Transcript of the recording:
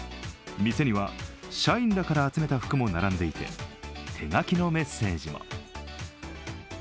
店には、社員らから集めた服も並んでいて手書きのメッセージも。